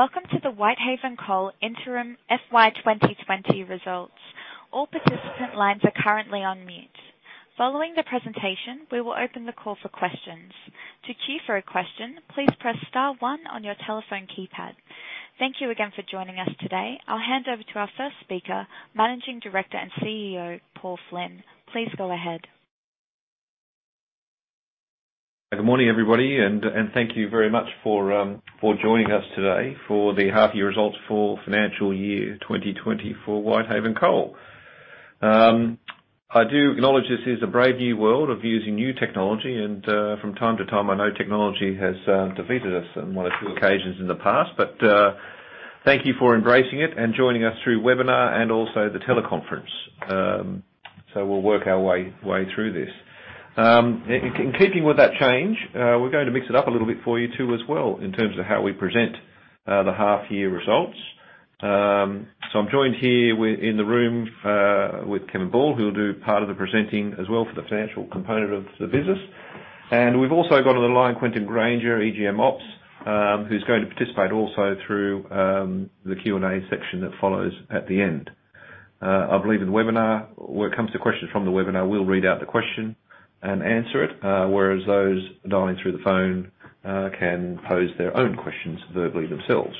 Welcome to the Whitehaven Coal Interim FY 2020 results. All participant lines are currently on mute. Following the presentation, we will open the call for questions. To queue for a question, please press star one on your telephone keypad. Thank you again for joining us today. I'll hand over to our first speaker, Managing Director and CEO, Paul Flynn. Please go ahead. Good morning, everybody, and thank you very much for joining us today for the half-year results for financial year 2020 for Whitehaven Coal. I do acknowledge this is a brave new world of using new technology, and from time to time, I know technology has defeated us on one or two occasions in the past, but thank you for embracing it and joining us through webinar and also the teleconference. So we'll work our way through this. In keeping with that change, we're going to mix it up a little bit for you too as well in terms of how we present the half-year results. So I'm joined here in the room with Kevin Ball, who'll do part of the presenting as well for the financial component of the business. And we've also got on the line Quentin Granger, EGM Ops, who's going to participate also through the Q&A section that follows at the end. I believe in the webinar, when it comes to questions from the webinar, we'll read out the question and answer it, whereas those dialing through the phone can pose their own questions verbally themselves.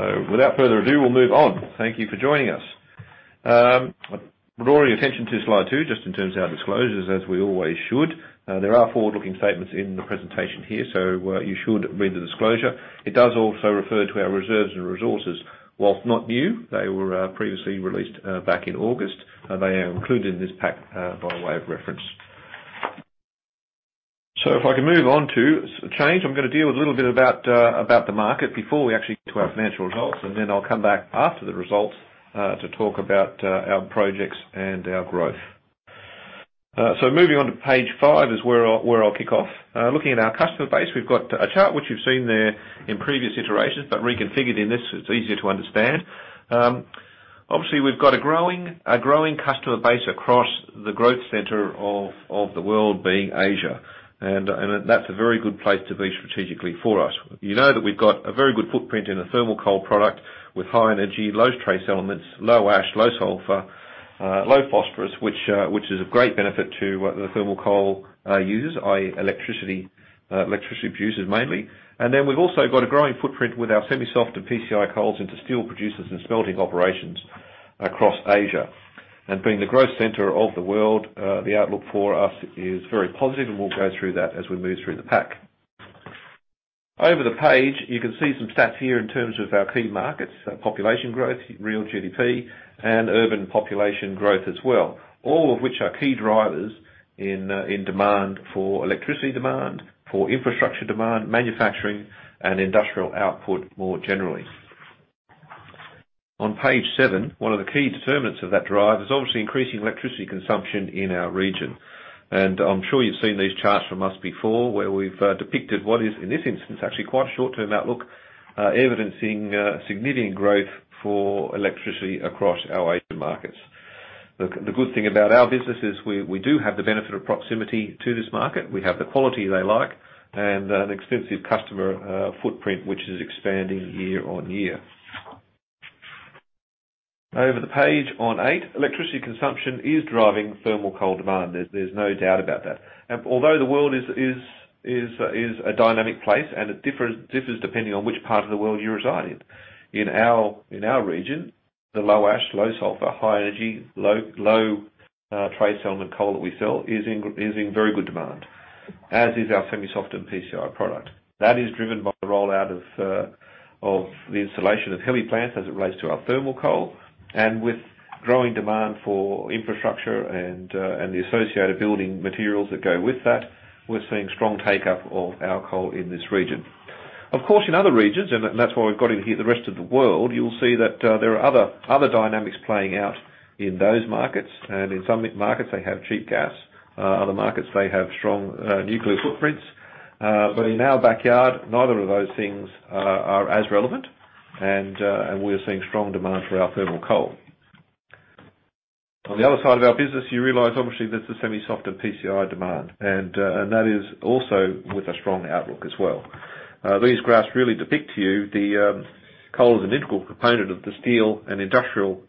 So without further ado, we'll move on. Thank you for joining us. I'd draw your attention to slide two just in terms of our disclosures, as we always should. There are forward-looking statements in the presentation here, so you should read the disclosure. It does also refer to our reserves and resources. While not new, they were previously released back in August. They are included in this pack by way of reference. So if I can move on to change, I'm going to deal with a little bit about the market before we actually get to our financial results, and then I'll come back after the results to talk about our projects and our growth. So moving on to page five is where I'll kick off. Looking at our customer base, we've got a chart which you've seen there in previous iterations, but reconfigured in this so it's easier to understand. Obviously, we've got a growing customer base across the growth center of the world being Asia, and that's a very good place to be strategically for us. You know that we've got a very good footprint in the thermal coal product with high energy, low trace elements, low ash, low sulfur, low phosphorus, which is a great benefit to the thermal coal users, i.e., electricity producers mainly. And then we've also got a growing footprint with our semi-soft and PCI coals into steel producers and smelting operations across Asia. And being the growth center of the world, the outlook for us is very positive, and we'll go through that as we move through the pack. Over the page, you can see some stats here in terms of our key markets, population growth, real GDP, and urban population growth as well, all of which are key drivers in demand for electricity demand, for infrastructure demand, manufacturing, and industrial output more generally. On page seven, one of the key determinants of that drive is obviously increasing electricity consumption in our region. And I'm sure you've seen these charts from us before where we've depicted what is, in this instance, actually quite a short-term outlook evidencing significant growth for electricity across our Asian markets. The good thing about our business is we do have the benefit of proximity to this market. We have the quality they like and an extensive customer footprint which is expanding year on year. Over the page on eight, electricity consumption is driving thermal coal demand. There's no doubt about that. Although the world is a dynamic place, and it differs depending on which part of the world you reside in. In our region, the low ash, low sulfur, high energy, low trace element coal that we sell is in very good demand, as is our semi-soft and PCI product. That is driven by the rollout of the installation of heavy plants as it relates to our thermal coal, and with growing demand for infrastructure and the associated building materials that go with that, we're seeing strong take-up of our coal in this region. Of course, in other regions, and that's why we've got in here the rest of the world, you'll see that there are other dynamics playing out in those markets. And in some markets, they have cheap gas. Other markets, they have strong nuclear footprints. But in our backyard, neither of those things are as relevant, and we're seeing strong demand for our thermal coal. On the other side of our business, you realize obviously there's the semi-soft and PCI demand, and that is also with a strong outlook as well. These graphs really depict to you the coal as an integral component of the steel and industrial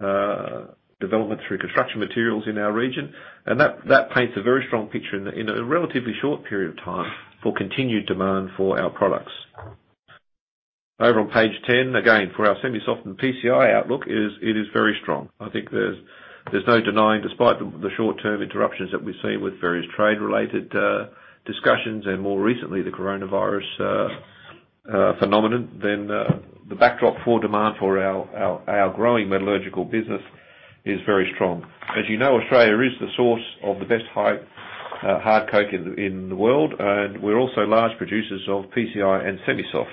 development through construction materials in our region, and that paints a very strong picture in a relatively short period of time for continued demand for our products. Over on page 10, again, for our semi-soft and PCI outlook, it is very strong. I think there's no denying, despite the short-term interruptions that we've seen with various trade-related discussions and more recently the coronavirus phenomenon, then the backdrop for demand for our growing metallurgical business is very strong. As you know, Australia is the source of the best Hard Coking Coal in the world, and we're also large producers of PCI and semi-soft,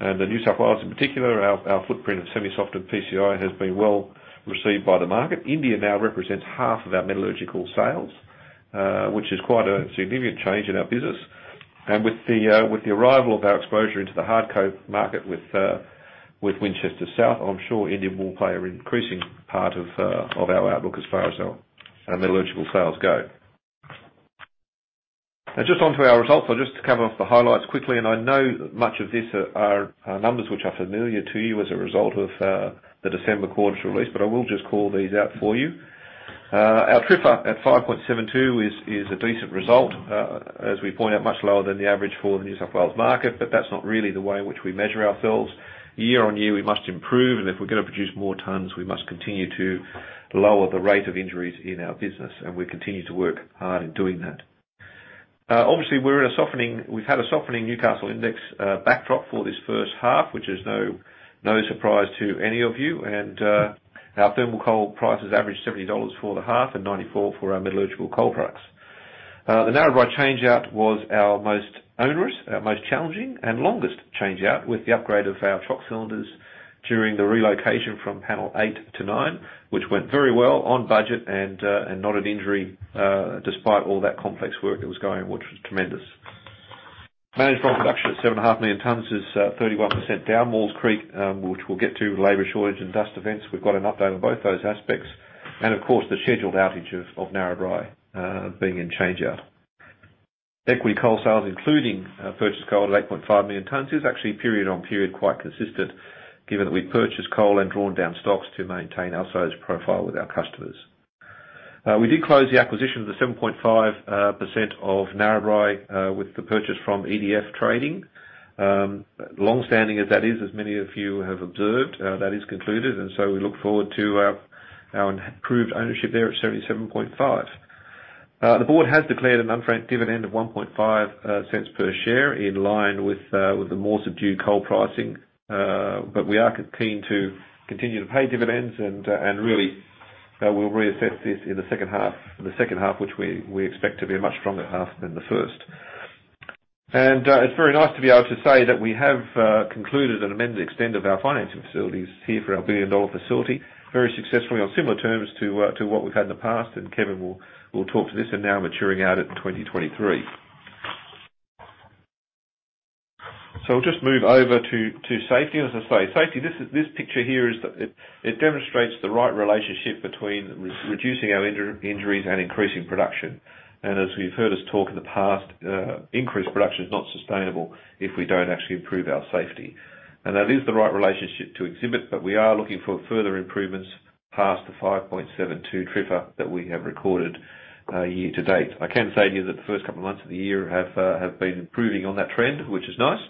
and in New South Wales in particular, our footprint of semi-soft and PCI has been well received by the market. India now represents half of our metallurgical sales, which is quite a significant change in our business, and with the arrival of our exposure into the hard coke market with Winchester South, I'm sure India will play an increasing part of our outlook as far as our metallurgical sales go. Just onto our results, I'll just cover off the highlights quickly, and I know much of these are numbers which are familiar to you as a result of the December quarter's release, but I will just call these out for you. Our TRIFR at 5.72 is a decent result, as we point out, much lower than the average for the New South Wales market, but that's not really the way in which we measure ourselves. Year on year, we must improve, and if we're going to produce more tons, we must continue to lower the rate of injuries in our business, and we continue to work hard in doing that. Obviously, we're in a softening. We've had a softening Newcastle Index backdrop for this first half, which is no surprise to any of you, and our thermal coal prices average $70 for the half and $94 for our metallurgical coal products. The Narrabri changeout was our most onerous, our most challenging, and longest changeout with the upgrade of our chock cylinders during the relocation from panel eight to nine, which went very well on budget and not an injury despite all that complex work that was going on, which was tremendous. Managed ROM production at 7.5 million tons is 31% down. Maules Creek, which we'll get to, labor shortage and dust events, we've got an update on both those aspects. Of course, the scheduled outage of Narrabri being in changeout. Equity coal sales, including purchased coal at 8.5 million tons, is actually period on period quite consistent given that we've purchased coal and drawn down stocks to maintain our sales profile with our customers. We did close the acquisition of the 7.5% of Narrabri with the purchase from EDF Trading. Long-standing as that is, as many of you have observed, that is concluded, and so we look forward to our improved ownership there at 77.5%. The board has declared an unfranked dividend of 0.015 per share in line with the more subdued coal pricing, but we are keen to continue to pay dividends, and really we'll reassess this in the second half, which we expect to be a much stronger half than the first. It's very nice to be able to say that we have concluded and amended the extent of our financing facilities here for our billion-dollar facility very successfully on similar terms to what we've had in the past, and Kevin will talk to this and now maturing out in 2023. I'll just move over to safety. As I say, safety, this picture here demonstrates the right relationship between reducing our injuries and increasing production. As we've heard us talk in the past, increased production is not sustainable if we don't actually improve our safety. That is the right relationship to exhibit, but we are looking for further improvements past the 5.72 TRIFR that we have recorded year to date. I can say to you that the first couple of months of the year have been improving on that trend, which is nice,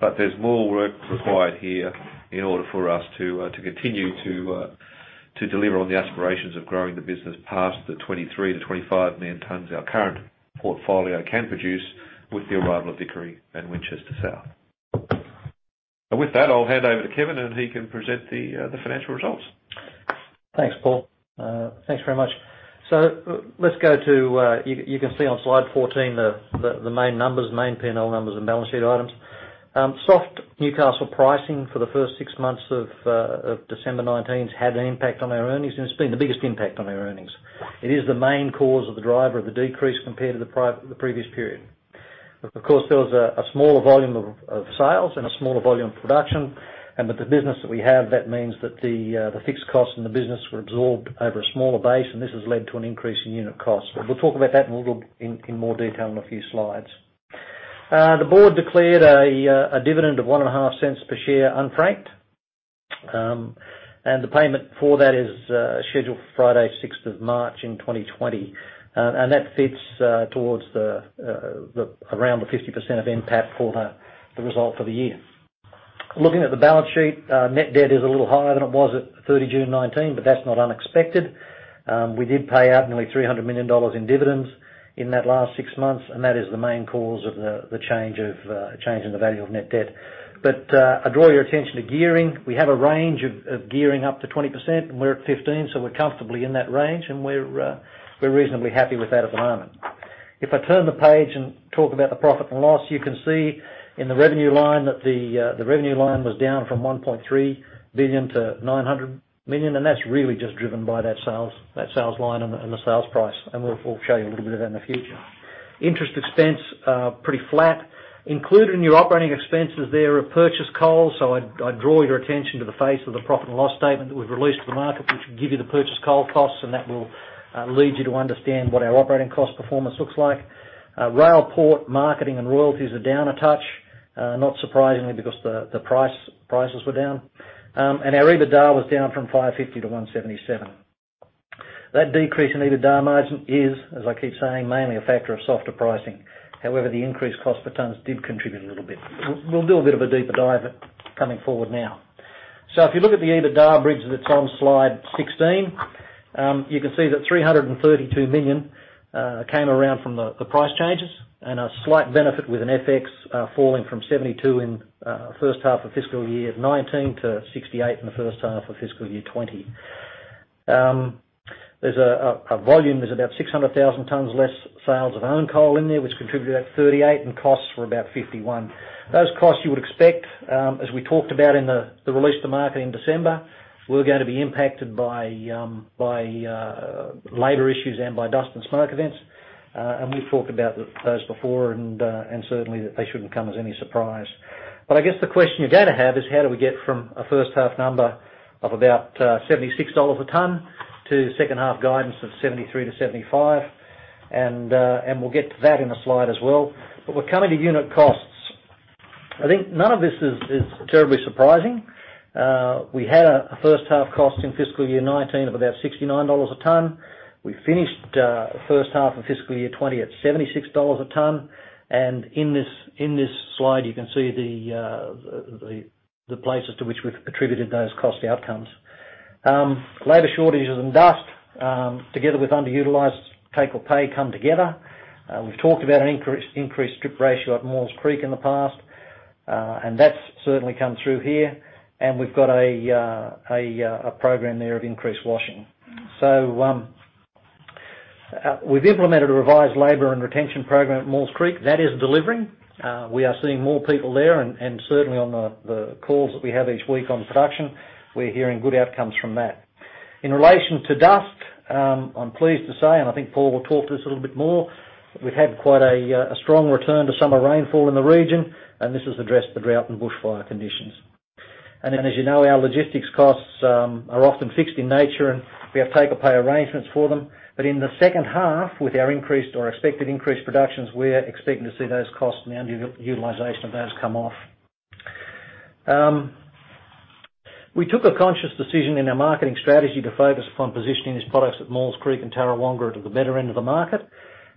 but there's more work required here in order for us to continue to deliver on the aspirations of growing the business past the 23-25 million tons our current portfolio can produce with the arrival of Vickery and Winchester South. And with that, I'll hand over to Kevin, and he can present the financial results. Thanks, Paul. Thanks very much. So let's go to you can see on slide 14 the main numbers, main P&L numbers and balance sheet items. Soft Newcastle pricing for the first six months of December 2019 had an impact on our earnings, and it's been the biggest impact on our earnings. It is the main cause of the driver of the decrease compared to the previous period. Of course, there was a smaller volume of sales and a smaller volume of production, but the business that we have, that means that the fixed costs in the business were absorbed over a smaller base, and this has led to an increase in unit costs. We'll talk about that in a little bit in more detail in a few slides. The board declared a dividend of 0.015 per share unfranked, and the payment for that is scheduled for Friday, 6th of March in 2020, and that fits towards around the 50% of NPAT for the result for the year. Looking at the balance sheet, net debt is a little higher than it was at 30 June 2019, but that's not unexpected. We did pay out nearly 300 million dollars in dividends in that last six months, and that is the main cause of the change in the value of net debt. But I draw your attention to gearing. We have a range of gearing up to 20%, and we're at 15%, so we're comfortably in that range, and we're reasonably happy with that at the moment. If I turn the page and talk about the profit and loss, you can see in the revenue line that the revenue line was down from 1.3 billion to 900 million, and that's really just driven by that sales line and the sales price, and we'll show you a little bit of that in the future. Interest expense pretty flat. Included in your operating expenses, there are purchased coals, so I draw your attention to the face of the profit and loss statement that we've released to the market, which will give you the purchased coal costs, and that will lead you to understand what our operating cost performance looks like. Rail port marketing and royalties are down a touch, not surprisingly because the prices were down, and our EBITDA was down from 550 million to 177 million. That decrease in EBITDA margin is, as I keep saying, mainly a factor of softer pricing. However, the increased cost per tons did contribute a little bit. We'll do a bit of a deeper dive coming forward now. So if you look at the EBITDA bridge that's on slide 16, you can see that 332 million came around from the price changes and a slight benefit with an FX falling from 72 in the first half of fiscal year 2019 to 68 in the first half of fiscal year 2020. There's a volume. There's about 600,000 tons less sales of owned coal in there, which contributed at 38 million, and costs were about 51 million. Those costs you would expect, as we talked about in the release to market in December, were going to be impacted by labor issues and by dust and smoke events, and we've talked about those before, and certainly they shouldn't come as any surprise. But I guess the question you're going to have is, how do we get from a first half number of about $76 a ton to second half guidance of $73-$75? And we'll get to that in a slide as well. But we're coming to unit costs. I think none of this is terribly surprising. We had a first half cost in fiscal year 2019 of about $69 a ton. We finished first half of fiscal year 2020 at $76 a ton, and in this slide, you can see the places to which we've attributed those cost outcomes. Labor shortages and dust, together with underutilized take-or-pay, come together. We've talked about an increased strip ratio at Maules Creek in the past, and that's certainly come through here, and we've got a program there of increased washing. So we've implemented a revised labor and retention program at Maules Creek. That is delivering. We are seeing more people there, and certainly on the calls that we have each week on production, we're hearing good outcomes from that. In relation to dust, I'm pleased to say, and I think Paul will talk to this a little bit more, we've had quite a strong return to summer rainfall in the region, and this has addressed the drought and bushfire conditions. As you know, our logistics costs are often fixed in nature, and we have take-or-pay arrangements for them, but in the second half, with our expected increased productions, we're expecting to see those costs and the underutilization of those come off. We took a conscious decision in our marketing strategy to focus upon positioning these products at Maules Creek and Tarrawonga to the better end of the market,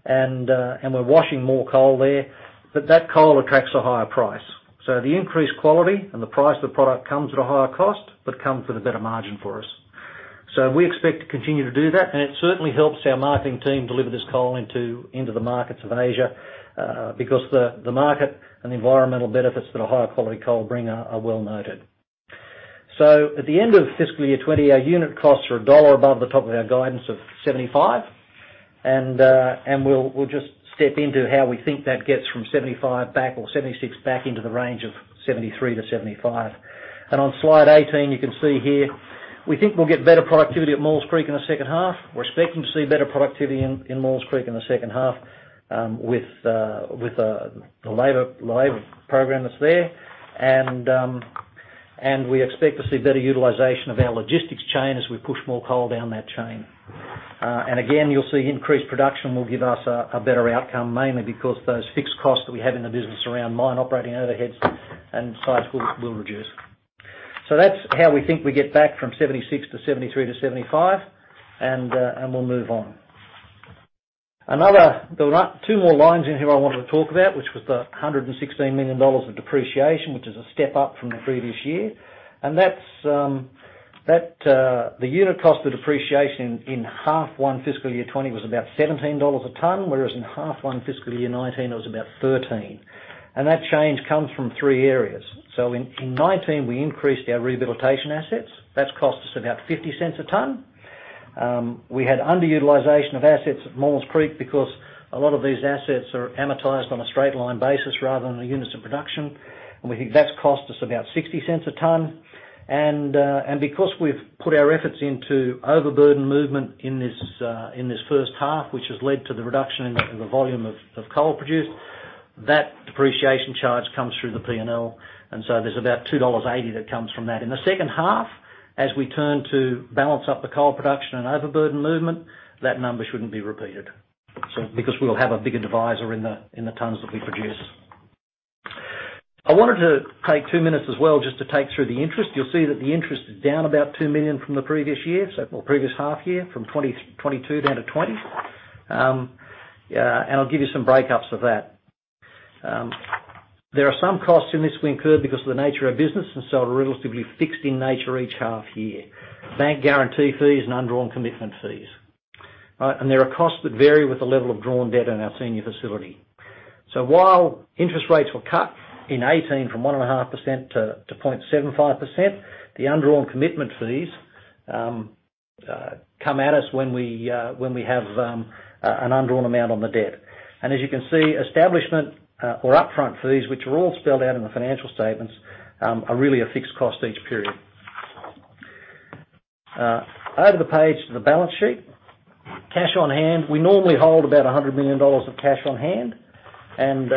and we're washing more coal there, but that coal attracts a higher price. So the increased quality and the price of the product comes at a higher cost, but comes with a better margin for us. So we expect to continue to do that, and it certainly helps our marketing team deliver this coal into the markets of Asia because the market and the environmental benefits that a higher quality coal brings are well noted. At the end of fiscal year 2020, our unit costs are $1 above the top of our guidance of 75, and we'll just step into how we think that gets from 75 back or 76 back into the range of 73 to 75. On slide 18, you can see here, we think we'll get better productivity at Maules Creek in the second half. We're expecting to see better productivity in Maules Creek in the second half with the labor program that's there, and we expect to see better utilization of our logistics chain as we push more coal down that chain. Again, you'll see increased production will give us a better outcome, mainly because those fixed costs that we have in the business around mine operating overheads and sites will reduce. So that's how we think we get back from 76 to 73 to 75, and we'll move on. Two more lines in here I wanted to talk about, which was the 116 million dollars of depreciation, which is a step up from the previous year. And the unit cost of depreciation in half one fiscal year 2020 was about 17 dollars a ton, whereas in half one fiscal year 2019, it was about 13. And that change comes from three areas. So in 2019, we increased our rehabilitation assets. That's cost us about 0.50 a ton. We had underutilization of assets at Maules Creek because a lot of these assets are amortized on a straight line basis rather than the units of production, and we think that's cost us about 0.60 a ton. And because we've put our efforts into overburden movement in this first half, which has led to the reduction in the volume of coal produced, that depreciation charge comes through the P&L, and so there's about $2.80 that comes from that. In the second half, as we turn to balance up the coal production and overburden movement, that number shouldn't be repeated because we'll have a bigger divisor in the tons that we produce. I wanted to take two minutes as well just to take through the interest. You'll see that the interest is down about 2 million from the previous year, or previous half year, from 2022 down to 2020, and I'll give you some breakups of that. There are some costs in this we incurred because of the nature of business and so a relatively fixed in nature each half year: bank guarantee fees and undrawn commitment fees. There are costs that vary with the level of drawn debt in our senior facility. So while interest rates were cut in 2018 from 1.5% to 0.75%, the undrawn commitment fees come at us when we have an undrawn amount on the debt. And as you can see, establishment or upfront fees, which are all spelled out in the financial statements, are really a fixed cost each period. Over the page to the balance sheet, cash on hand, we normally hold about 100 million dollars of cash on hand, and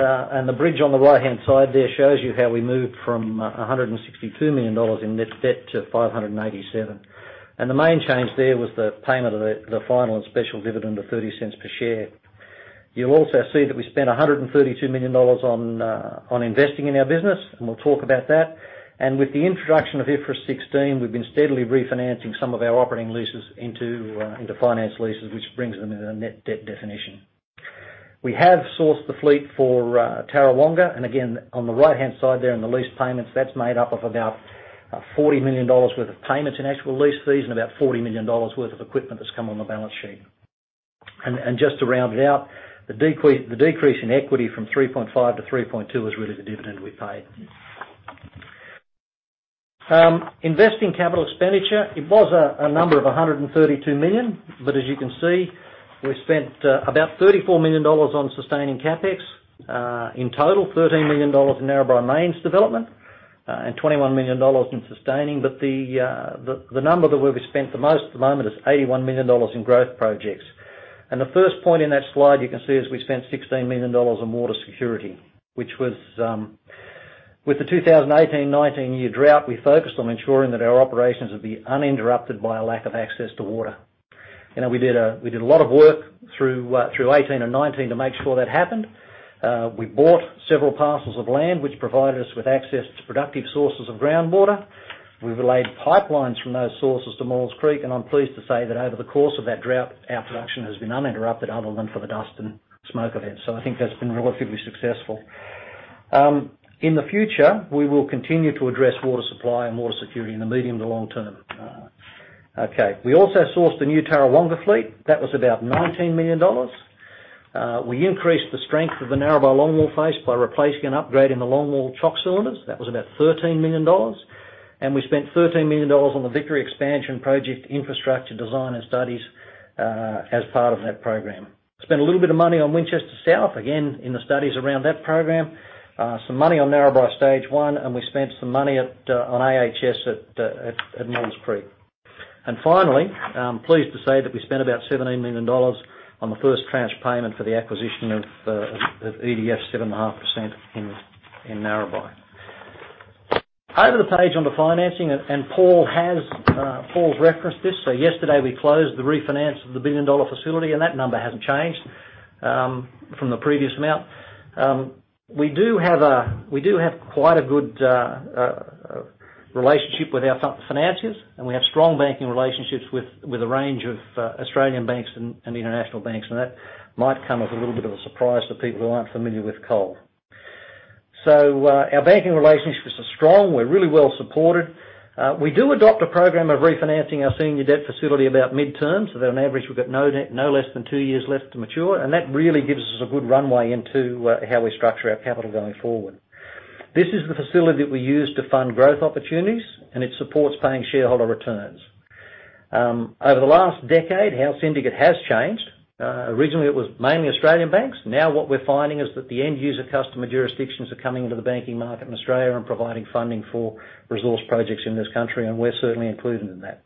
the bridge on the right-hand side there shows you how we moved from 162 million dollars in net debt to 587 million. And the main change there was the payment of the final and special dividend of 0.30 per share. You'll also see that we spent 132 million dollars on investing in our business, and we'll talk about that. And with the introduction of IFRS 16, we've been steadily refinancing some of our operating leases into finance leases, which brings them into the net debt definition. We have sourced the fleet for Tarrawonga, and again, on the right-hand side there in the lease payments, that's made up of about 40 million dollars worth of payments in actual lease fees and about 40 million dollars worth of equipment that's come on the balance sheet. And just to round it out, the decrease in equity from 3.5 to 3.2 is really the dividend we paid. Investing capital expenditure, it was a number of 132 million, but as you can see, we spent about 34 million dollars on sustaining CapEx in total, 13 million dollars in Narrabri mine's development, and 21 million dollars in sustaining, but the number that we've spent the most at the moment is 81 million dollars in growth projects. The first point in that slide you can see is we spent 16 million dollars on water security, which was with the 2018-2019 year drought. We focused on ensuring that our operations would be uninterrupted by a lack of access to water. We did a lot of work through 2018 and 2019 to make sure that happened. We bought several parcels of land, which provided us with access to productive sources of groundwater. We've relayed pipelines from those sources to Maules Creek, and I'm pleased to say that over the course of that drought, our production has been uninterrupted other than for the dust and smoke events. So I think that's been relatively successful. In the future, we will continue to address water supply and water security in the medium to long term. Okay. We also sourced a new Tarrawonga fleet. That was about 19 million dollars. We increased the strength of the Narrabri longwall face by replacing and upgrading the longwall chock cylinders. That was about 13 million dollars. We spent 13 million dollars on the Vickery expansion project infrastructure design and studies as part of that program. Spent a little bit of money on Winchester South, again, in the studies around that program, some money on Narrabri stage one, and we spent some money on AHS at Maules Creek. Finally, I'm pleased to say that we spent about 17 million dollars on the first tranche payment for the acquisition of EDF 7.5% in Narrabri. Over the page on the financing, and Paul has referenced this, so yesterday we closed the refinance of the 1 billion dollar facility, and that number hasn't changed from the previous amount. We do have quite a good relationship with our financiers, and we have strong banking relationships with a range of Australian banks and international banks, and that might come as a little bit of a surprise to people who aren't familiar with coal. So our banking relationship is strong. We're really well supported. We do adopt a program of refinancing our senior debt facility about midterm, so that on average, we've got no less than two years left to mature, and that really gives us a good runway into how we structure our capital going forward. This is the facility that we use to fund growth opportunities, and it supports paying shareholder returns. Over the last decade, our syndicate has changed. Originally, it was mainly Australian banks. Now what we're finding is that the end user customer jurisdictions are coming into the banking market in Australia and providing funding for resource projects in this country, and we're certainly included in that.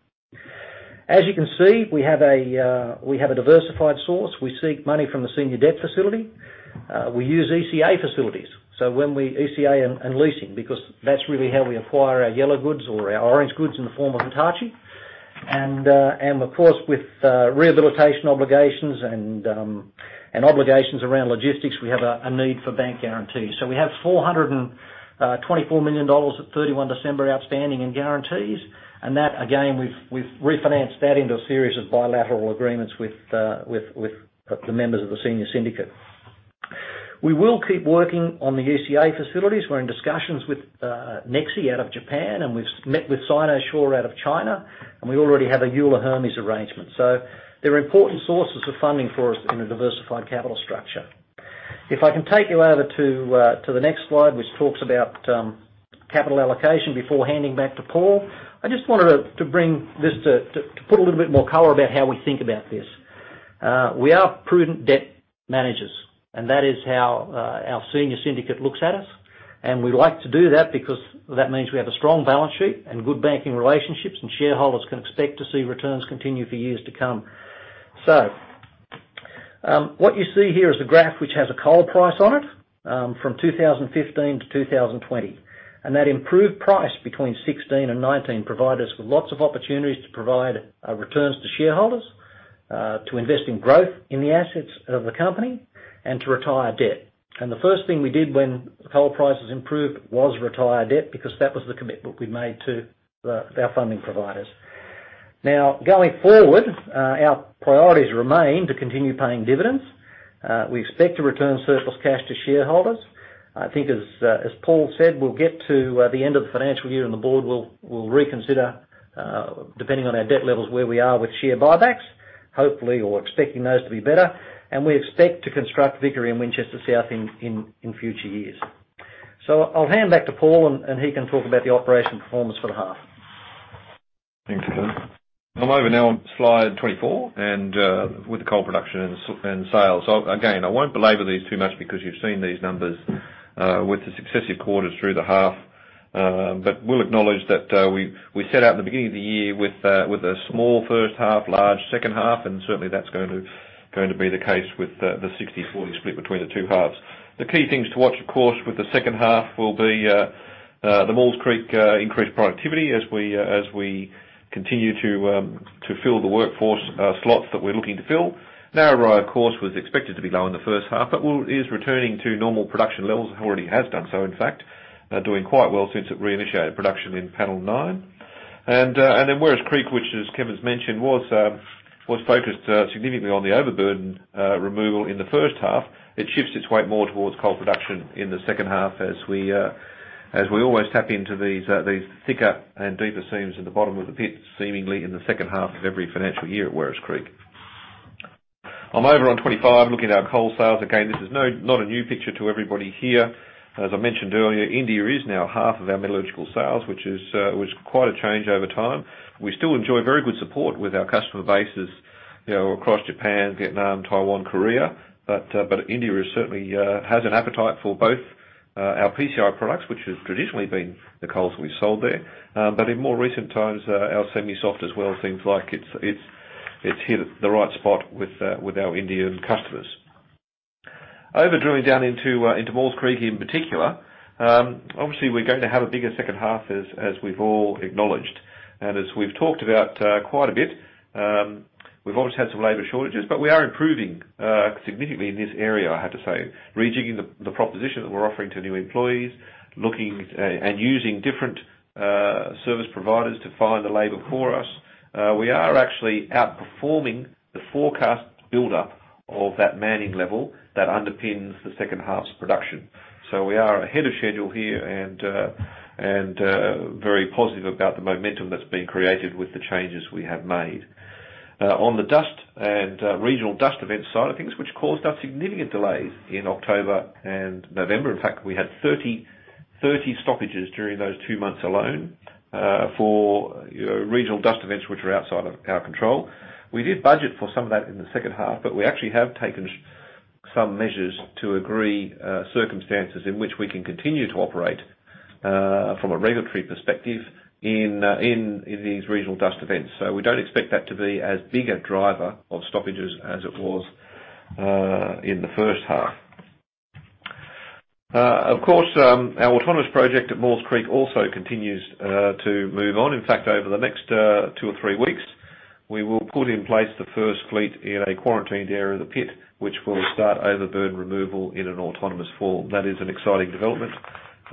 As you can see, we have a diversified source. We seek money from the senior debt facility. We use ECA facilities, so ECA and leasing, because that's really how we acquire our yellow goods or our orange goods in the form of Hitachi. And of course, with rehabilitation obligations and obligations around logistics, we have a need for bank guarantees. So we have 424 million dollars at 31 December outstanding in guarantees, and that, again, we've refinanced that into a series of bilateral agreements with the members of the senior syndicate. We will keep working on the ECA facilities. We're in discussions with NEXI out of Japan, and we've met with Sinosure out of China, and we already have a Euler Hermes arrangement. So they're important sources of funding for us in a diversified capital structure. If I can take you over to the next slide, which talks about capital allocation before handing back to Paul, I just wanted to bring this to put a little bit more color about how we think about this. We are prudent debt managers, and that is how our senior syndicate looks at us, and we like to do that because that means we have a strong balance sheet and good banking relationships, and shareholders can expect to see returns continue for years to come. What you see here is a graph which has a coal price on it from 2015 to 2020, and that improved price between 2016 and 2019 provided us with lots of opportunities to provide returns to shareholders, to invest in growth in the assets of the company, and to retire debt. The first thing we did when coal prices improved was retire debt because that was the commitment we made to our funding providers. Now, going forward, our priorities remain to continue paying dividends. We expect to return surplus cash to shareholders. I think, as Paul said, we'll get to the end of the financial year and the board will reconsider, depending on our debt levels, where we are with share buybacks, hopefully, or expecting those to be better, and we expect to construct Vickery and Winchester South in future years. So I'll hand back to Paul, and he can talk about the operational performance for the half. Thank you, Kevin. I'm over now on slide 24 and with the coal production and sales. Again, I won't belabor these too much because you've seen these numbers with the successive quarters through the half, but we'll acknowledge that we set out in the beginning of the year with a small first half, large second half, and certainly that's going to be the case with the 60/40 split between the two halves. The key things to watch, of course, with the second half will be the Maules Creek increased productivity as we continue to fill the workforce slots that we're looking to fill. Narrabri, of course, was expected to be low in the first half, but is returning to normal production levels. It already has done so, in fact, doing quite well since it reinitiated production in panel nine. Then Werris Creek, which, as Kevin's mentioned, was focused significantly on the overburden removal in the first half. It shifts its weight more towards coal production in the second half as we always tap into these thicker and deeper seams in the bottom of the pit, seemingly in the second half of every financial year at Werris Creek. I'm over on 25, looking at our coal sales. Again, this is not a new picture to everybody here. As I mentioned earlier, India is now half of our metallurgical sales, which is quite a change over time. We still enjoy very good support with our customer bases across Japan, Vietnam, Taiwan, Korea, but India certainly has an appetite for both our PCI products, which have traditionally been the coals we've sold there, but in more recent times, our semi-soft as well seems like it's hit the right spot with our Indian customers. Drilling down into Maules Creek in particular, obviously, we're going to have a bigger second half as we've all acknowledged. And as we've talked about quite a bit, we've always had some labor shortages, but we are improving significantly in this area, I have to say, rejigging the proposition that we're offering to new employees, looking and using different service providers to find the labor for us. We are actually outperforming the forecast buildup of that manning level that underpins the second half's production. So we are ahead of schedule here and very positive about the momentum that's been created with the changes we have made. On the dust and regional dust event side of things, which caused us significant delays in October and November, in fact, we had 30 stoppages during those two months alone for regional dust events which were outside of our control. We did budget for some of that in the second half, but we actually have taken some measures to agree circumstances in which we can continue to operate from a regulatory perspective in these regional dust events. So we don't expect that to be as big a driver of stoppages as it was in the first half. Of course, our autonomous project at Maules Creek also continues to move on. In fact, over the next two or three weeks, we will put in place the first fleet in a quarantined area of the pit, which will start overburden removal in an autonomous form. That is an exciting development,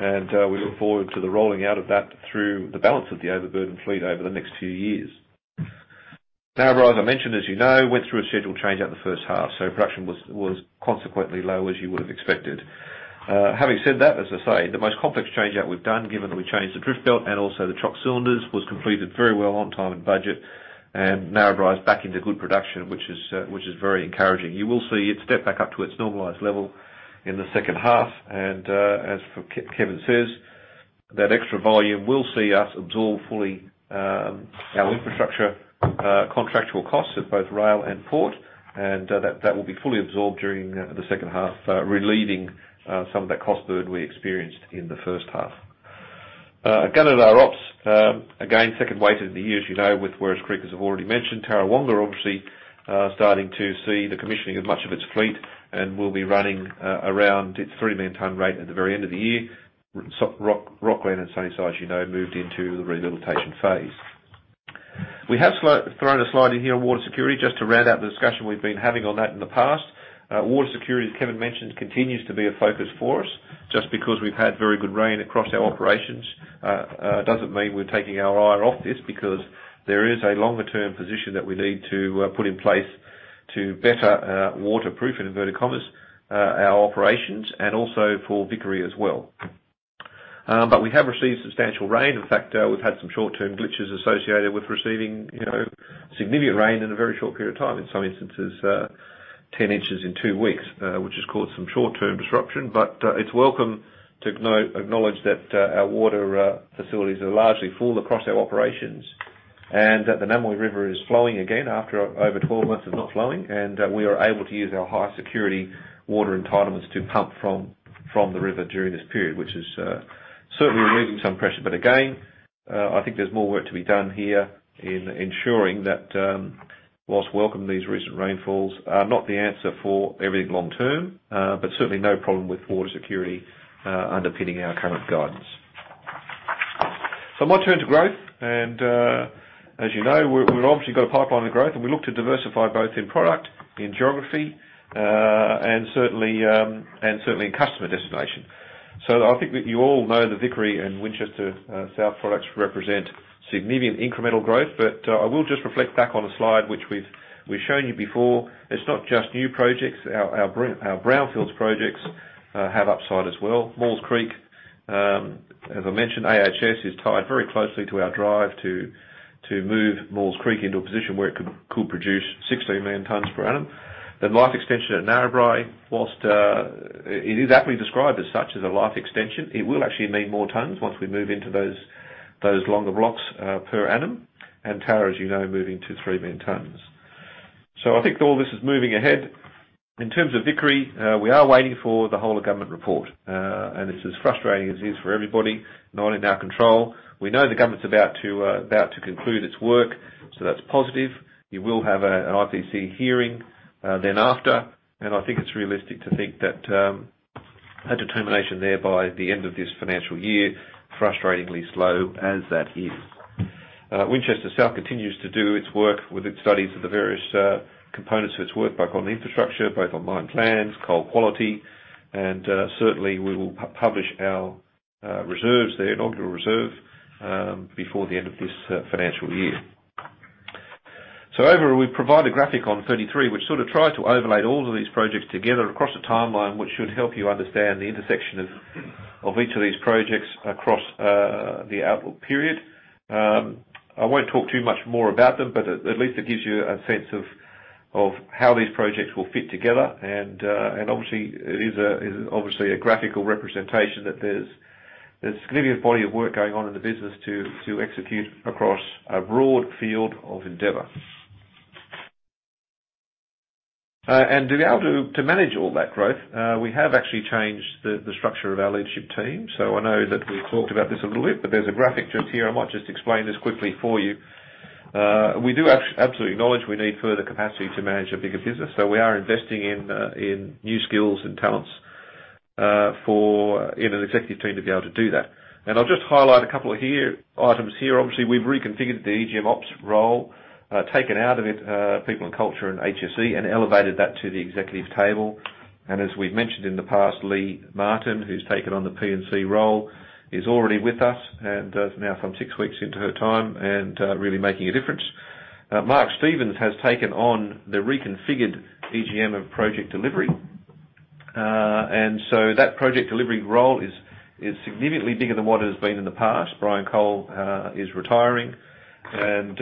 and we look forward to the rolling out of that through the balance of the overburden fleet over the next few years. Narrabri, as I mentioned, as you know, went through a scheduled changeout in the first half, so production was consequently low as you would have expected. Having said that, as I say, the most complex changeout we've done, given that we changed the drift belt and also the chock cylinders, was completed very well on time and budget, and Narrabri is back into good production, which is very encouraging. You will see it step back up to its normalized level in the second half, and as Kevin says, that extra volume will see us absorb fully our infrastructure contractual costs at both rail and port, and that will be fully absorbed during the second half, relieving some of that cost burden we experienced in the first half. Again, at our ops, again, second half weighted in the year, you know, with Werris Creek, as I've already mentioned, Tarrawonga obviously starting to see the commissioning of much of its fleet and will be running around its 3 million-ton rate at the very end of the year. Rocglen and Sunnyside, you know, moved into the rehabilitation phase. We have thrown a slide in here on water security just to round out the discussion we've been having on that in the past. Water security, as Kevin mentioned, continues to be a focus for us. Just because we've had very good rain across our operations doesn't mean we're taking our eye off this because there is a longer-term position that we need to put in place to better waterproof, in inverted commas, our operations and also for Vickery as well. But we have received substantial rain. In fact, we've had some short-term glitches associated with receiving significant rain in a very short period of time, in some instances, 10 inches in two weeks, which has caused some short-term disruption. But it's welcome to acknowledge that our water facilities are largely full across our operations and that the Namoi River is flowing again after over 12 months of not flowing, and we are able to use our high-security water entitlements to pump from the river during this period, which is certainly removing some pressure. But again, I think there's more work to be done here in ensuring that, while welcoming these recent rainfalls, are not the answer for everything long-term, but certainly no problem with water security underpinning our current guidance. So, my turn to growth, and as you know, we've obviously got a pipeline of growth, and we look to diversify both in product, in geography, and certainly in customer destination. So I think you all know the Vickery and Winchester South products represent significant incremental growth, but I will just reflect back on a slide which we've shown you before. It's not just new projects. Our brownfields projects have upside as well. Maules Creek, as I mentioned, AHS is tied very closely to our drive to move Maules Creek into a position where it could produce 16 million tons per annum. The life extension at Narrabri, while it is aptly described as such as a life extension, it will actually mean more tons once we move into those longer blocks per annum, and Tarrawonga, as you know, moving to 3 million tons. So I think all this is moving ahead. In terms of Vickery, we are waiting for the whole of government report, and it's as frustrating as it is for everybody, not in our control. We know the government's about to conclude its work, so that's positive. You will have an IPC hearing thereafter, and I think it's realistic to think that our determination there by the end of this financial year, frustratingly slow as that is. Winchester South continues to do its work with its studies of the various components of its work both on infrastructure, both on mine plans, coal quality, and certainly we will publish our reserves, the inaugural reserve, before the end of this financial year. So over, we provide a graphic on 33, which sort of tries to overlay all of these projects together across a timeline, which should help you understand the intersection of each of these projects across the outlook period. I won't talk too much more about them, but at least it gives you a sense of how these projects will fit together, and obviously, it is obviously a graphical representation that there's a significant body of work going on in the business to execute across a broad field of endeavor. And to be able to manage all that growth, we have actually changed the structure of our leadership team. So I know that we've talked about this a little bit, but there's a graphic just here. I might just explain this quickly for you. We do absolutely acknowledge we need further capacity to manage a bigger business, so we are investing in new skills and talents in an executive team to be able to do that. And I'll just highlight a couple of items here. Obviously, we've reconfigured the EGM Ops role, taken out of it People and Culture and HSE, and elevated that to the executive table. And as we've mentioned in the past, Lee Martin, who's taken on the P&C role, is already with us and now some six weeks into her time and really making a difference. Mark Stevens has taken on the reconfigured EGM of Project Delivery, and so that Project Delivery role is significantly bigger than what it has been in the past. Brian Cole is retiring and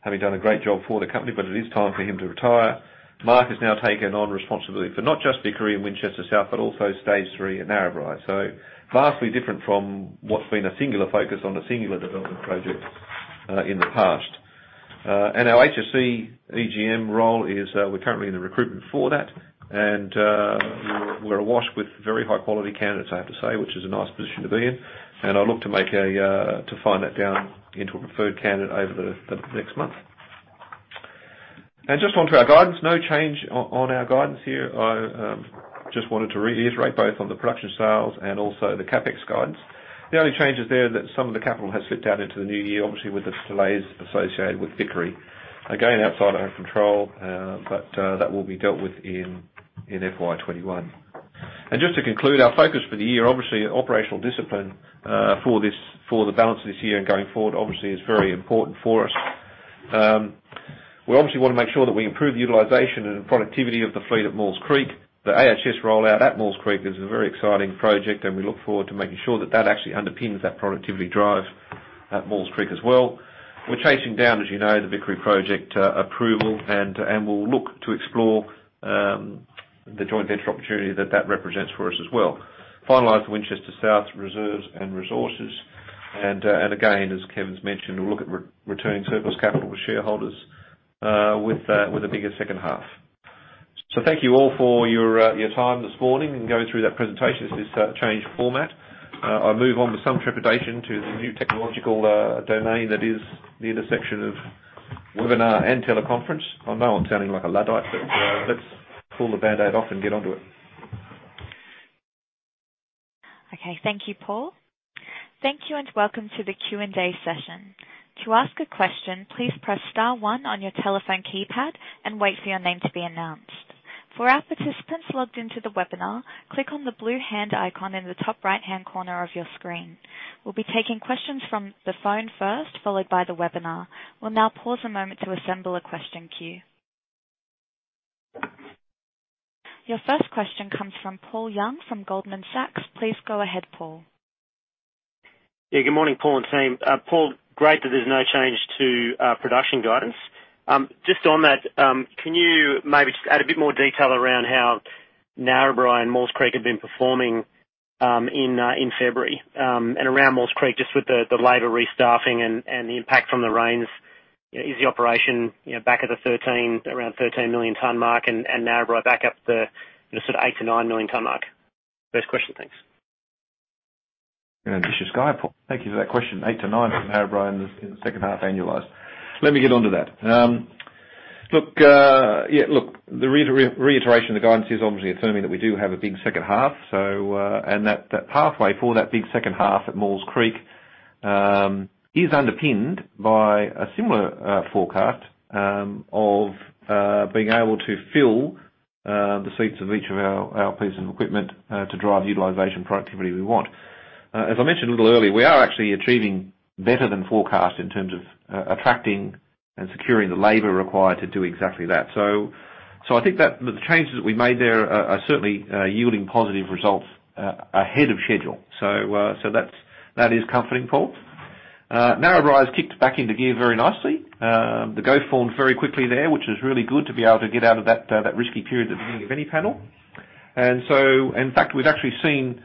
having done a great job for the company, but it is time for him to retire. Mark has now taken on responsibility for not just Vickery and Winchester South, but also stage three at Narrabri. So vastly different from what's been a singular focus on a singular development project in the past. And our HSE EGM role is we're currently in the recruitment for that, and we're awash with very high-quality candidates, I have to say, which is a nice position to be in, and I look to find that down into a preferred candidate over the next month. And just onto our guidance, no change on our guidance here. I just wanted to reiterate both on the production sales and also the CapEx guidance. The only change is there that some of the capital has slipped out into the new year, obviously with the delays associated with Vickery. Again, outside of our control, but that will be dealt with in FY 2021. And just to conclude, our focus for the year, obviously, operational discipline for the balance of this year and going forward, obviously, is very important for us. We obviously want to make sure that we improve the utilization and productivity of the fleet at Maules Creek. The AHS rollout at Maules Creek is a very exciting project, and we look forward to making sure that that actually underpins that productivity drive at Maules Creek as well. We're chasing down, as you know, the Vickery project approval, and we'll look to explore the joint venture opportunity that that represents for us as well. Finalize the Winchester South reserves and resources, and again, as Kevin's mentioned, we'll look at returning surplus capital to shareholders with a bigger second half. Thank you all for your time this morning and going through that presentation in this changed format. I'll move on with some trepidation to the new technological domain that is the intersection of webinar and teleconference. I know I'm sounding like a Luddite, but let's pull the Band-Aid off and get onto it. Okay, thank you, Paul. Thank you and welcome to the Q&A session. To ask a question, please press star one on your telephone keypad and wait for your name to be announced. For our participants logged into the webinar, click on the blue hand icon in the top right-hand corner of your screen. We'll be taking questions from the phone first, followed by the webinar. We'll now pause a moment to assemble a question queue. Your first question comes from Paul Young from Goldman Sachs. Please go ahead, Paul. Yeah, good morning, Paul and team. Paul, great that there's no change to production guidance. Just on that, can you maybe just add a bit more detail around how Narrabri and Maules Creek have been performing in February and around Maules Creek, just with the labor restaffing and the impact from the rains? Is the operation back at the 13, around 13 million tonne mark, and Narrabri back up the sort of eight to nine million tonne mark? First question, thanks. Yeah, ambitious guy, Paul. Thank you for that question. 8 to 9 for Narrabri in the second half annualized. Let me get on to that. Look, the reiteration of the guidance is obviously affirming that we do have a big second half, and that pathway for that big second half at Maules Creek is underpinned by a similar forecast of being able to fill the seats of each of our pieces of equipment to drive utilization productivity we want. As I mentioned a little earlier, we are actually achieving better than forecast in terms of attracting and securing the labor required to do exactly that. So I think that the changes that we made there are certainly yielding positive results ahead of schedule. So that is comforting, Paul. Narrabri has kicked back into gear very nicely. The growth formed very quickly there, which is really good to be able to get out of that risky period at the beginning of any panel. And in fact, we've actually seen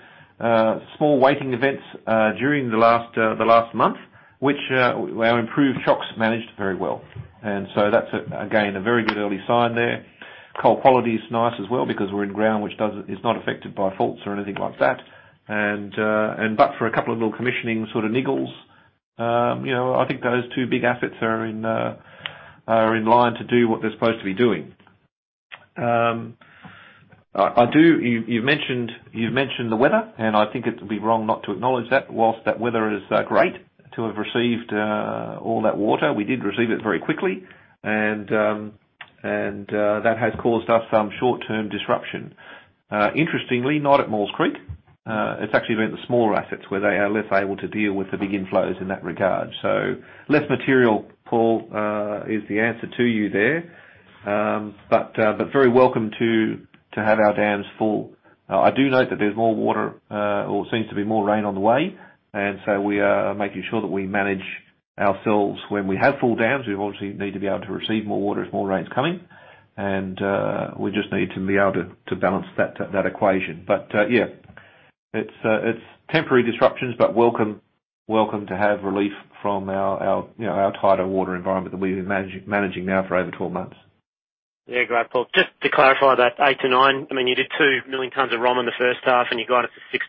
small weighting events during the last month, which our improved chocks managed very well. And so that's, again, a very good early sign there. Coal quality is nice as well because we're in ground which is not affected by faults or anything like that, but for a couple of little commissioning sort of niggles, I think those two big assets are in line to do what they're supposed to be doing. You've mentioned the weather, and I think it would be wrong not to acknowledge that. While that weather is great to have received all that water, we did receive it very quickly, and that has caused us some short-term disruption. Interestingly, not at Maules Creek. It's actually been the smaller assets where they are less able to deal with the big inflows in that regard. So less material, Paul, is the answer to you there, but very welcome to have our dams full. I do note that there's more water or seems to be more rain on the way, and so we are making sure that we manage ourselves when we have full dams. We obviously need to be able to receive more water as more rain's coming, and we just need to be able to balance that equation. But yeah, it's temporary disruptions, but welcome to have relief from our tighter water environment that we've been managing now for over 12 months. Yeah, great, Paul. Just to clarify that 8-9, I mean, you did 2 million tons of ROM in the first half, and you guided to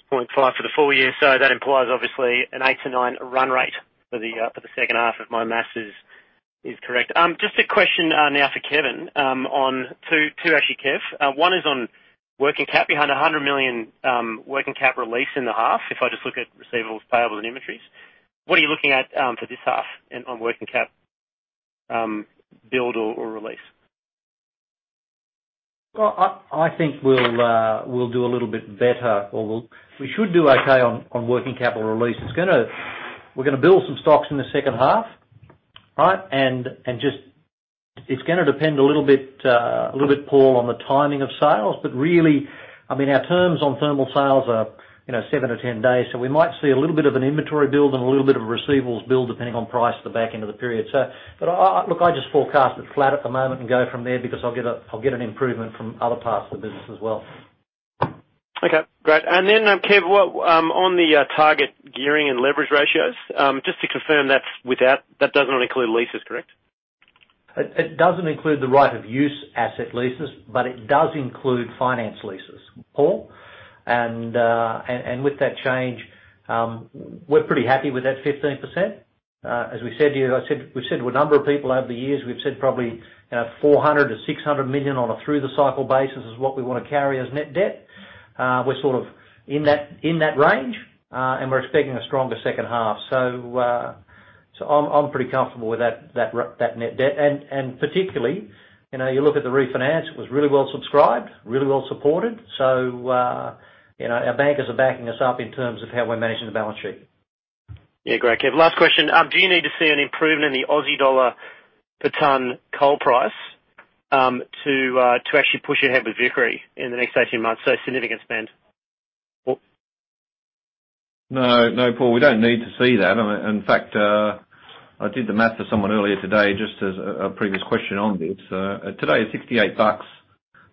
6-6.5 for the full year. So that implies obviously an 8-9 run rate for the second half, if my math is correct. Just a question now for Kevin on two, actually Kev. One is on working cap, a 100 million working cap release in the half, if I just look at receivables, payables, and inventories. What are you looking at for this half on working cap build or release? I think we'll do a little bit better, or we should do okay on working capital or release. We're going to build some stocks in the second half, right? It's going to depend a little bit, Paul, on the timing of sales, but really, I mean, our terms on thermal sales are 7 to 10 days, so we might see a little bit of an inventory build and a little bit of a receivables build depending on price at the back end of the period. But look, I just forecast it flat at the moment and go from there because I'll get an improvement from other parts of the business as well. Okay, great. And then, Kev, on the target gearing and leverage ratios, just to confirm that does not include leases, correct? It doesn't include the right-of-use asset leases, but it does include finance leases, Paul. With that change, we're pretty happy with that 15%. As we said to you, we've said to a number of people over the years, we've said probably 400 million-600 million on a through-the-cycle basis is what we want to carry as net debt. We're sort of in that range, and we're expecting a stronger second half. I'm pretty comfortable with that net debt. Particularly, you look at the refinance, it was really well subscribed, really well supported, so our bankers are backing us up in terms of how we're managing the balance sheet. Yeah, great, Kev. Last question. Do you need to see an improvement in the Aussie dollar per ton coal price to actually push ahead with Vickery in the next 18 months? So significant spend. No, no, Paul, we don't need to see that. In fact, I did the math for someone earlier today, just as a previous question on this. Today is $68,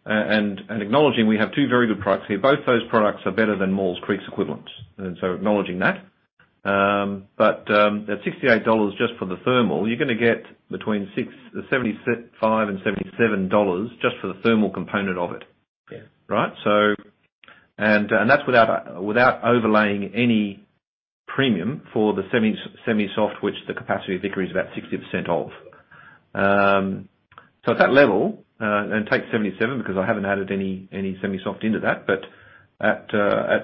and acknowledging we have two very good products here. Both those products are better than Maules Creek's equivalents, and so acknowledging that. But at $68 just for the thermal, you're going to get between $75 and $77 dollars just for the thermal component of it, right? And that's without overlaying any premium for the semi-soft, which the capacity of Vickery is about 60% of. So at that level, and take 77 because I haven't added any semi-soft into that, but at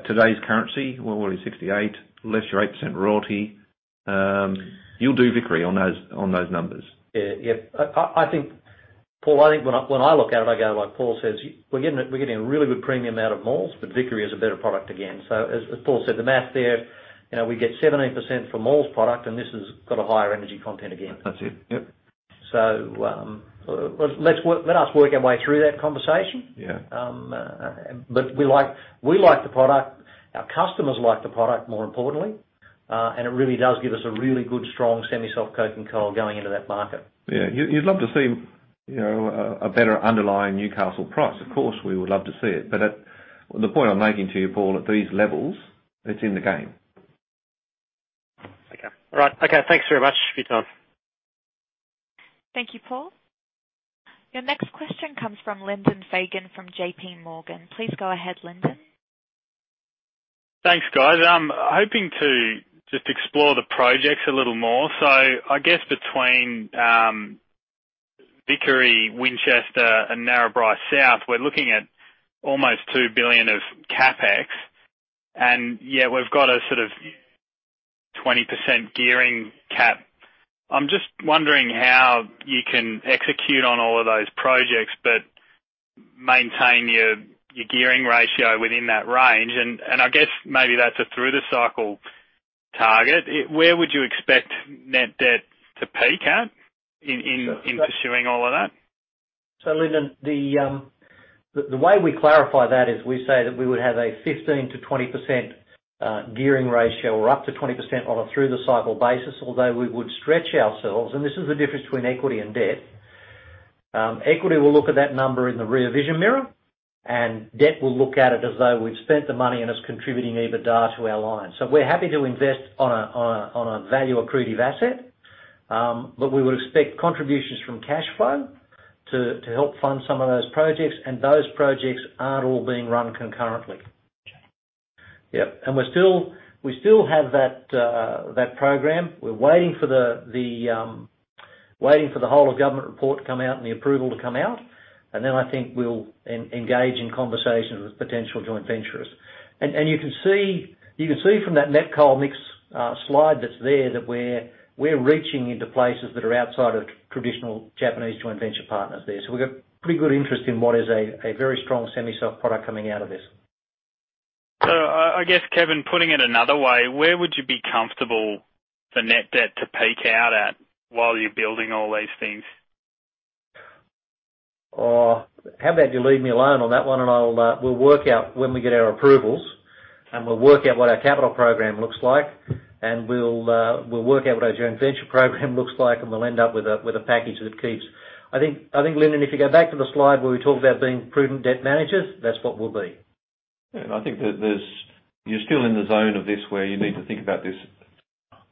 today's currency, well, what is $68, less your 8% royalty, you'll do Vickery on those numbers. Yeah, yeah. Paul, I think when I look at it, I go like, "Paul says, we're getting a really good premium out of Maules, but Vickery is a better product again." So as Paul said, the math there, we get 17% from Maules product, and this has got a higher energy content again. That's it, yep. So let us work our way through that conversation. But we like the product. Our customers like the product more importantly, and it really does give us a really good, strong semi-soft coking coal going into that market. Yeah, you'd love to see a better underlying Newcastle price. Of course, we would love to see it, but the point I'm making to you, Paul, at these levels, it's in the game. Okay, all right. Okay, thanks very much, Peter. Thank you, Paul. Your next question comes from Lyndon Fagan from JP Morgan. Please go ahead, Lyndon. Thanks, guys. Hoping to just explore the projects a little more. So I guess between Vickery, Winchester South, and Narrabri, we're looking at almost 2 billion of CapEx, and yeah, we've got a sort of 20% gearing cap. I'm just wondering how you can execute on all of those projects but maintain your gearing ratio within that range. And I guess maybe that's a through-the-cycle target. Where would you expect net debt to peak at in pursuing all of that? Lyndon, the way we clarify that is we say that we would have a 15%-20% gearing ratio or up to 20% on a through-the-cycle basis, although we would stretch ourselves, and this is the difference between equity and debt. Equity will look at that number in the rear-vision mirror, and debt will look at it as though we've spent the money and it's contributing EBITDA to our line. We're happy to invest on a value-accretive asset, but we would expect contributions from cash flow to help fund some of those projects, and those projects aren't all being run concurrently. Yep, and we still have that program. We're waiting for the whole-of-government report to come out and the approval to come out, and then I think we'll engage in conversations with potential joint venturers. You can see from that net coal mix slide that's there that we're reaching into places that are outside of traditional Japanese joint venture partners there. So we've got pretty good interest in what is a very strong semi-soft product coming out of this. So I guess, Kevin, putting it another way, where would you be comfortable for net debt to peak out at while you're building all these things? How about you leave me alone on that one, and we'll work out when we get our approvals, and we'll work out what our capital program looks like, and we'll work out what our joint venture program looks like, and we'll end up with a package that keeps. I think, Lyndon, if you go back to the slide where we talked about being prudent debt managers, that's what we'll be. I think you're still in the zone of this where you need to think about this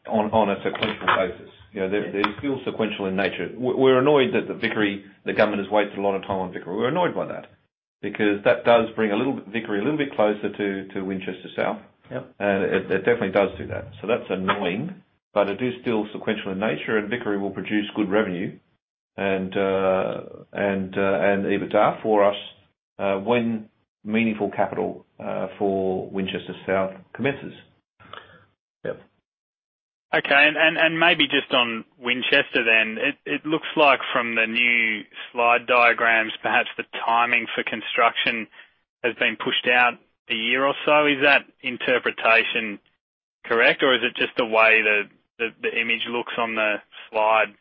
on a sequential basis. It's still sequential in nature. We're annoyed that the government has wasted a lot of time on Vickery. We're annoyed by that because that does bring Vickery a little bit closer to Winchester South, and it definitely does do that. That's annoying, but it is still sequential in nature, and Vickery will produce good revenue and EBITDA for us when meaningful capital for Winchester South commences. Okay, and maybe just on Winchester then, it looks like from the new slide diagrams, perhaps the timing for construction has been pushed out a year or so. Is that interpretation correct, or is it just the way the image looks on the slide?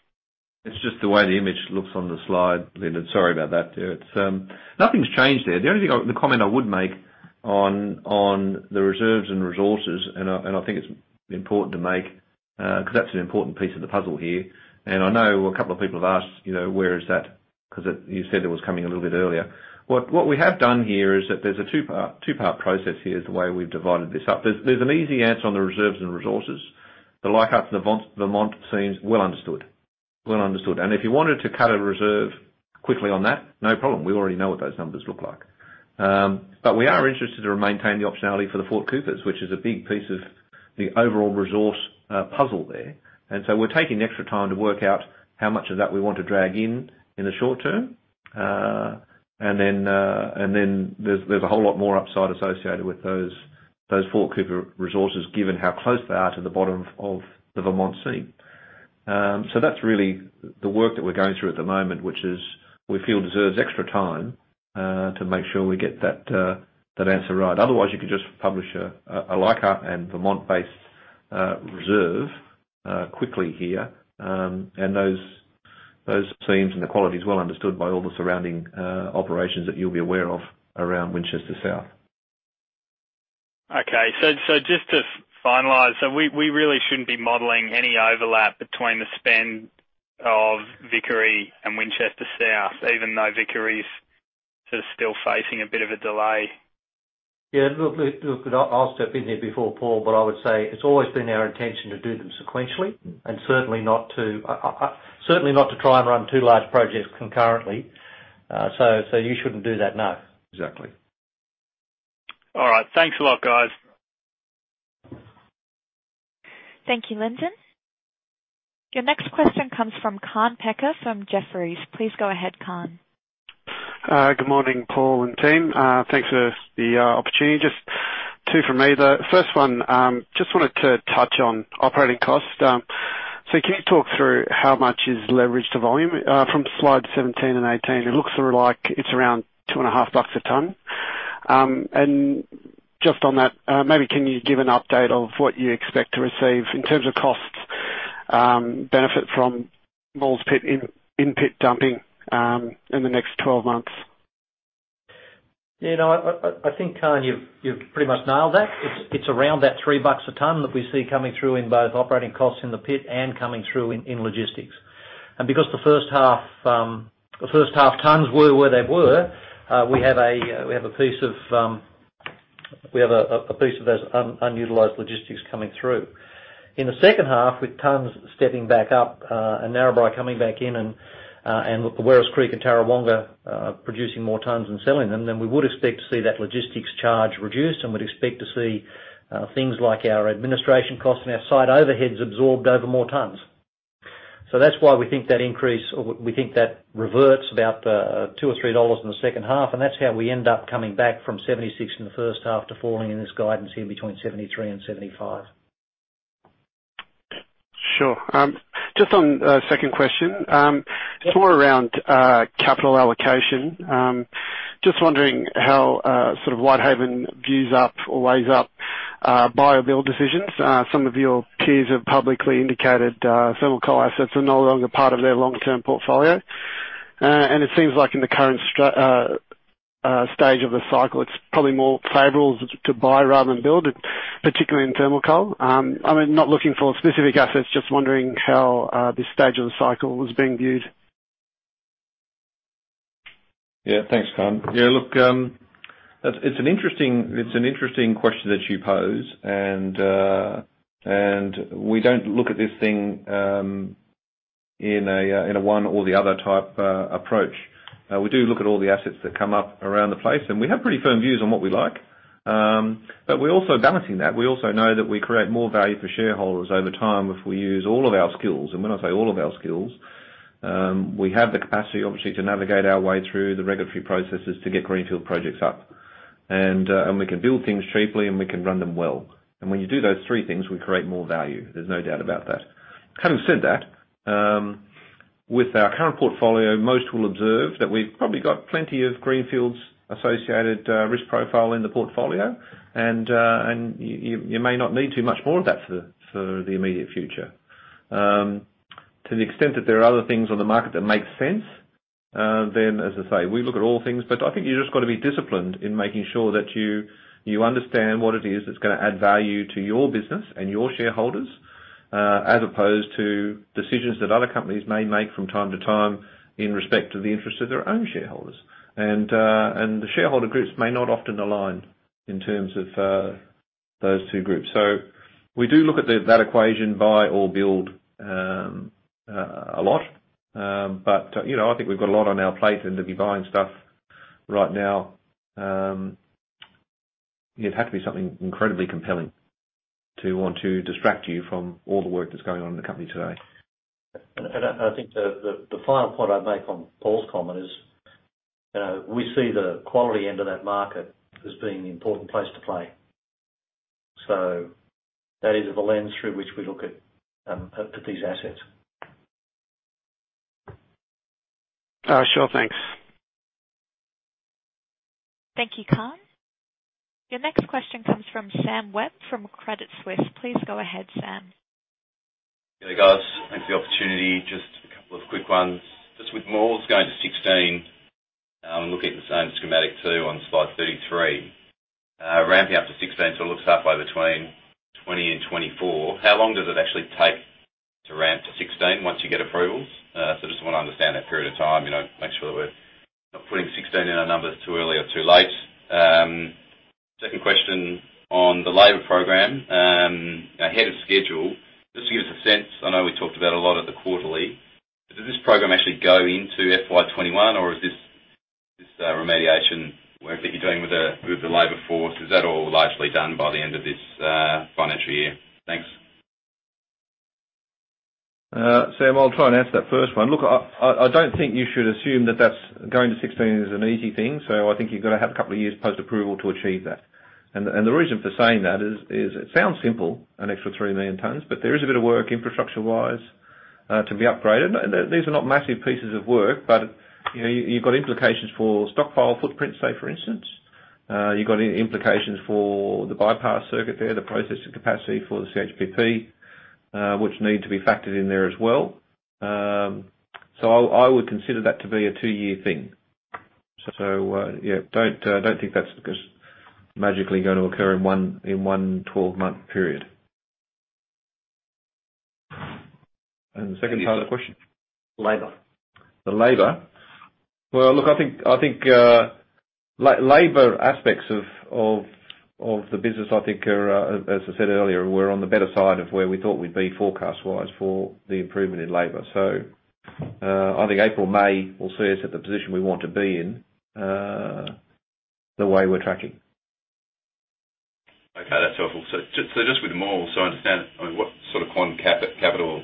It's just the way the image looks on the slide, Lyndon. Sorry about that, dear. Nothing's changed there. The comment I would make on the reserves and resources, and I think it's important to make because that's an important piece of the puzzle here, and I know a couple of people have asked, "Where is that?" because you said it was coming a little bit earlier. What we have done here is that there's a two-part process. Here is the way we've divided this up. There's an easy answer on the reserves and resources. The Leichhardt and the Vermont seams well understood. Well understood. And if you wanted to cut a reserve quickly on that, no problem. We already know what those numbers look like, but we are interested to maintain the optionality for the Fort Cooper measures, which is a big piece of the overall resource puzzle there. We're taking the extra time to work out how much of that we want to drag in in the short term, and then there's a whole lot more upside associated with those Fort Cooper resources given how close they are to the bottom of the Vermont seam. That's really the work that we're going through at the moment, which we feel deserves extra time to make sure we get that answer right. Otherwise, you could just publish a Leichhardt and Vermont-based reserve quickly here, and those seams and the quality are well understood by all the surrounding operations that you'll be aware of around Winchester South. Okay, so just to finalize, we really shouldn't be modeling any overlap between the spend of Vickery and Winchester South, even though Vickery's sort of still facing a bit of a delay? Yeah, look, I'll step in here before Paul, but I would say it's always been our intention to do them sequentially and certainly not to try and run two large projects concurrently. So you shouldn't do that, no. Exactly. All right, thanks a lot, guys. Thank you, Lyndon. Your next question comes from Khan Peh from Jefferies. Please go ahead, Khan. Good morning, Paul and team. Thanks for the opportunity. Just two from me. The first one, just wanted to touch on operating costs. So can you talk through how much is leveraged to volume from slide 17 and 18? It looks like it's around 2.5 bucks a tonne. And just on that, maybe can you give an update of what you expect to receive in terms of costs, benefit from Maules Pit in pit dumping in the next 12 months? Yeah, I think, Khan, you've pretty much nailed that. It's around that 3 bucks a tonne that we see coming through in both operating costs in the pit and coming through in logistics. And because the first half tons were where they were, we have a piece of those unutilized logistics coming through. In the second half, with tons stepping back up and Narrabri coming back in and the Werris Creek and Tarrawonga producing more tons and selling them, then we would expect to see that logistics charge reduced, and we'd expect to see things like our administration costs and our site overheads absorbed over more tons. So that's why we think that increase, we think that reverts about $2 or $3 in the second half, and that's how we end up coming back from $76 in the first half to falling in this guidance here between $73 and $75. Sure. Just on a second question, it's more around capital allocation. Just wondering how sort of Whitehaven views up or weighs up buy or build decisions. Some of your peers have publicly indicated thermal coal assets are no longer part of their long-term portfolio, and it seems like in the current stage of the cycle, it's probably more favorable to buy rather than build, particularly in thermal coal. I mean, not looking for specific assets, just wondering how this stage of the cycle is being viewed. Yeah, thanks, Khan. Yeah, look, it's an interesting question that you pose, and we don't look at this thing in a one or the other type approach. We do look at all the assets that come up around the place, and we have pretty firm views on what we like, but we're also balancing that. We also know that we create more value for shareholders over time if we use all of our skills. And when I say all of our skills, we have the capacity, obviously, to navigate our way through the regulatory processes to get greenfield projects up, and we can build things cheaply, and we can run them well. And when you do those three things, we create more value. There's no doubt about that. Having said that, with our current portfolio, most will observe that we've probably got plenty of greenfields associated risk profile in the portfolio, and you may not need too much more of that for the immediate future. To the extent that there are other things on the market that make sense, then, as I say, we look at all things, but I think you've just got to be disciplined in making sure that you understand what it is that's going to add value to your business and your shareholders, as opposed to decisions that other companies may make from time to time in respect to the interest of their own shareholders. And the shareholder groups may not often align in terms of those two groups. So we do look at that equation, buy or build a lot, but I think we've got a lot on our plate and to be buying stuff right now, it'd have to be something incredibly compelling to want to distract you from all the work that's going on in the company today. And I think the final point I'd make on Paul's comment is we see the quality end of that market as being the important place to play. So that is the lens through which we look at these assets. Sure, thanks. Thank you, Khan. Your next question comes from Sam Webb from Credit Suisse. Please go ahead, Sam. Hey, guys. Thanks for the opportunity. Just a couple of quick ones. Just with Maules going to 16, looking at the same schematic too on slide 33, ramping up to 16, so it looks halfway between 20 and 24. How long does it actually take to ramp to 16 once you get approvals? So I just want to understand that period of time, make sure that we're not putting 16 in our numbers too early or too late. Second question on the labor program. Ahead of schedule, just to give us a sense, I know we talked about a lot of the quarterly, but does this program actually go into FY21, or is this remediation work that you're doing with the labor force, is that all largely done by the end of this financial year? Thanks. Sam, I'll try and answer that first one. Look, I don't think you should assume that that's going to IFRS 16 is an easy thing, so I think you've got to have a couple of years post-approval to achieve that. And the reason for saying that is it sounds simple, an extra 3 million tons, but there is a bit of work infrastructure-wise to be upgraded. These are not massive pieces of work, but you've got implications for stockpile footprint, say, for instance. You've got implications for the bypass circuit there, the processing capacity for the CHPP, which need to be factored in there as well. So I would consider that to be a two-year thing. So yeah, don't think that's magically going to occur in one 12-month period. And the second part of the question? Labor. The labor. Well, look, I think labor aspects of the business, I think, as I said earlier, we're on the better side of where we thought we'd be forecast-wise for the improvement in labor. So, I think April, May will see us at the position we want to be in the way we're tracking. Okay, that's helpful. So just with Maules, I understand what sort of quantum capital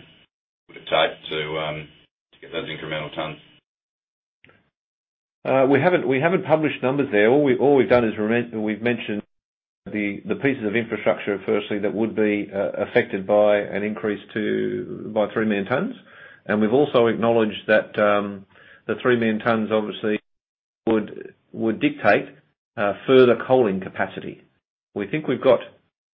would it take to get those incremental tons? We haven't published numbers there. All we've done is we've mentioned the pieces of infrastructure firstly that would be affected by an increase to about 3 million tons, and we've also acknowledged that the 3 million tons obviously would dictate further coaling capacity. We think we've got,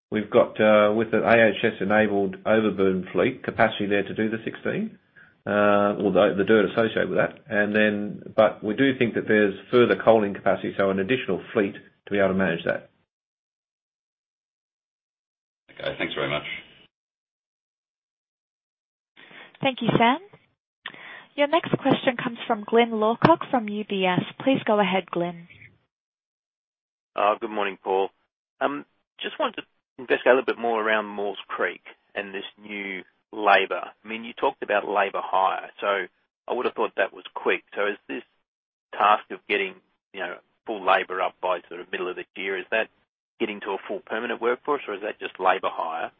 with the AHS-enabled overburden fleet, capacity there to do the 16, although the dirt associated with that. But we do think that there's further coaling capacity, so an additional fleet to be able to manage that. Okay, thanks very much. Thank you, Sam. Your next question comes from Glyn Lawcock from UBS. Please go ahead, Glyn. Good morning, Paul. Just wanted to investigate a little bit more around Maules Creek and this new labor. I mean, you talked about labor hire, so I would have thought that was quick. So is this task of getting full labor up by sort of middle of this year, is that getting to a full permanent workforce, or is that just labor hire?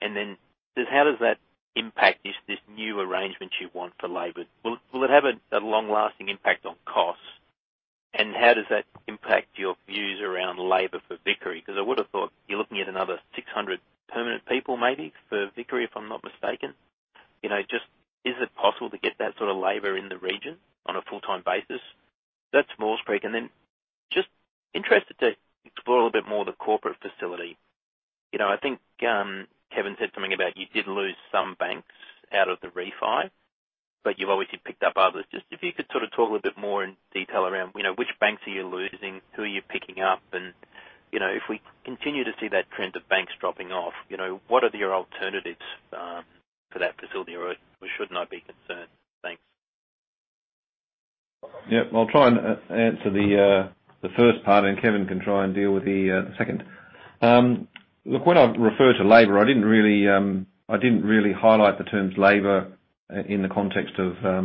And then how does that impact this new arrangement you want for labor? Will it have a long-lasting impact on costs, and how does that impact your views around labor for Vickery? Because I would have thought you're looking at another 600 permanent people maybe for Vickery, if I'm not mistaken. Just is it possible to get that sort of labor in the region on a full-time basis? That's Maules Creek. And then just interested to explore a little bit more the corporate facility. I think Kevin said something about you did lose some banks out of the refi, but you've obviously picked up others. Just if you could sort of talk a little bit more in detail around which banks are you losing, who are you picking up, and if we continue to see that trend of banks dropping off, what are your alternatives for that facility, or shouldn't I be concerned? Thanks. Yeah, I'll try and answer the first part, and Kevin can try and deal with the second. Look, when I referred to labor, I didn't really highlight the terms labor in the context of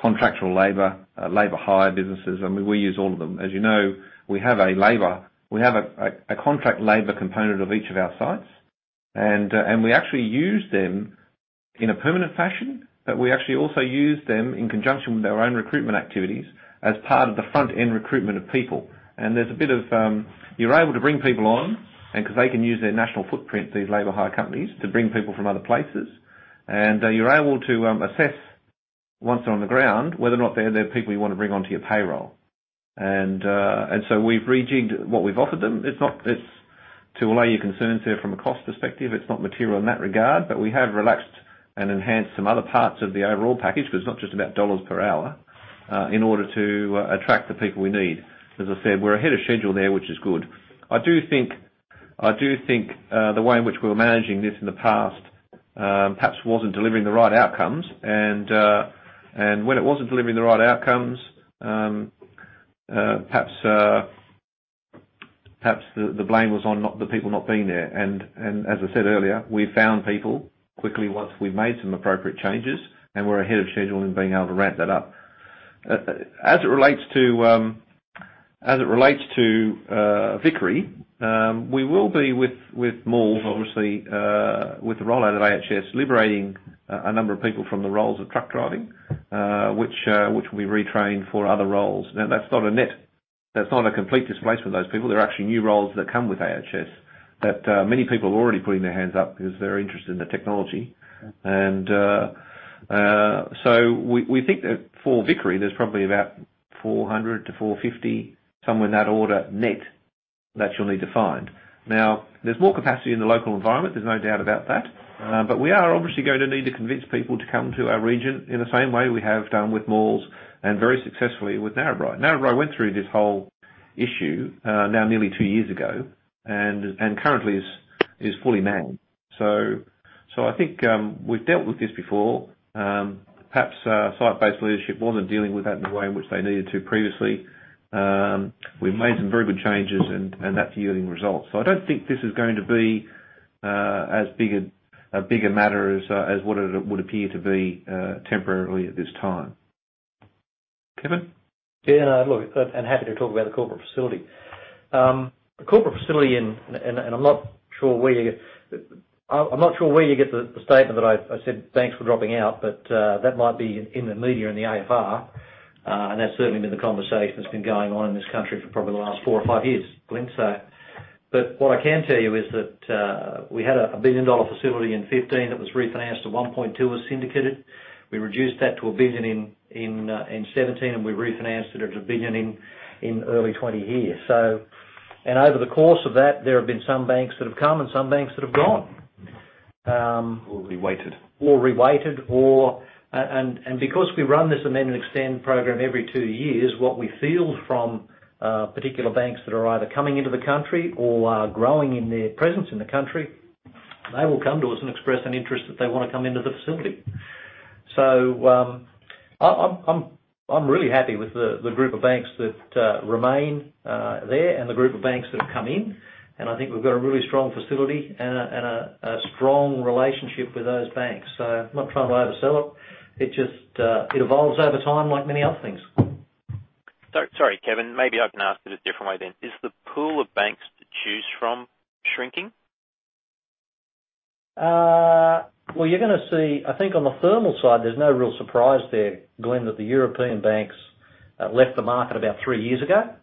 contractual labor, labor hire businesses. I mean, we use all of them. As you know, we have a contract labor component of each of our sites, and we actually use them in a permanent fashion, but we actually also use them in conjunction with our own recruitment activities as part of the front-end recruitment of people. And there's a bit of you're able to bring people on because they can use their national footprint, these labor hire companies, to bring people from other places, and you're able to assess once they're on the ground whether or not they're the people you want to bring onto your payroll. And so we've rejiggered what we've offered them. It's not to allay your concerns there from a cost perspective. It's not material in that regard, but we have relaxed and enhanced some other parts of the overall package because it's not just about dollars per hour in order to attract the people we need. As I said, we're ahead of schedule there, which is good. I do think the way in which we were managing this in the past perhaps wasn't delivering the right outcomes, and when it wasn't delivering the right outcomes, perhaps the blame was on the people not being there. And as I said earlier, we found people quickly once we made some appropriate changes, and we're ahead of schedule in being able to ramp that up. As it relates to Vickery, we will be with Maules, obviously, with the rollout of AHS, liberating a number of people from the roles of truck driving, which will be retrained for other roles. Now, that's not a net that's not a complete displacement of those people. There are actually new roles that come with AHS that many people are already putting their hands up because they're interested in the technology. And so we think that for Vickery, there's probably about 400-450, somewhere in that order net that you'll need to find. Now, there's more capacity in the local environment. There's no doubt about that, but we are obviously going to need to convince people to come to our region in the same way we have done with Maules and very successfully with Narrabri. Narrabri went through this whole issue now nearly two years ago and currently is fully manned. So I think we've dealt with this before. Perhaps site-based leadership wasn't dealing with that in the way in which they needed to previously. We've made some very good changes, and that's yielding results. So I don't think this is going to be as big a matter as what it would appear to be temporarily at this time. Kevin? Yeah, look, and happy to talk about the corporate facility. The corporate facility, and I'm not sure where you get the statement that I said, "Thanks for dropping out," but that might be in the media and the AFR, and that's certainly been the conversation that's been going on in this country for probably the last four or five years, Glyn. But what I can tell you is that we had an 1 billion dollar facility in 2015 that was refinanced to 1.2 billion as syndicated. We reduced that to 1 billion in 2017, and we refinanced it at 1 billion in early 2020 here. And over the course of that, there have been some banks that have come and some banks that have gone. Or reweighted. Or reweighted. And because we run this amend and extend program every two years, what we field from particular banks that are either coming into the country or are growing in their presence in the country, they will come to us and express an interest that they want to come into the facility. So I'm really happy with the group of banks that remain there and the group of banks that have come in, and I think we've got a really strong facility and a strong relationship with those banks. So I'm not trying to oversell it. It evolves over time like many other things. Sorry, Kevin. Maybe I can ask it a different way then. Is the pool of banks to choose from shrinking? You're going to see, I think, on the thermal side, there's no real surprise there, Glyn, that the European banks left the market about three years ago,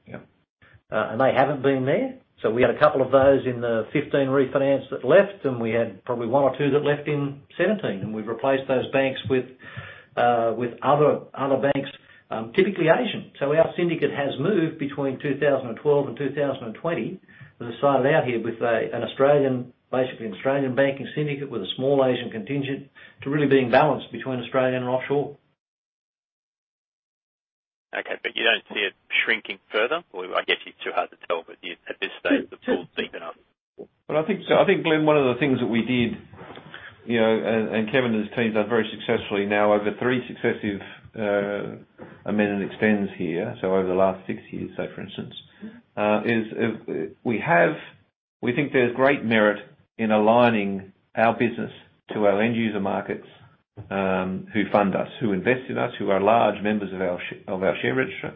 and they haven't been there. So we had a couple of those in the 2015 refinance that left, and we had probably one or two that left in 2017, and we've replaced those banks with other banks, typically Asian. So our syndicate has moved between 2012 and 2020. We've decided out here with an Australian-based banking syndicate with a small Asian contingent to really be in balance between Australian and offshore. Okay, but you don't see it shrinking further? I guess it's too hard to tell, but at this stage, the pool's deep enough. Well, I think, Glyn, one of the things that we did, and Kevin and his team have done very successfully now over three successive amend and extends here, so over the last six years, say for instance, is we think there's great merit in aligning our business to our end-user markets who fund us, who invest in us, who are large members of our share register,